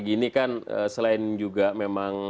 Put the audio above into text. gini kan selain juga memang